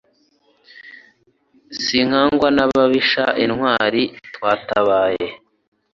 Sinkangwa n'ababisha intwari twatabaye.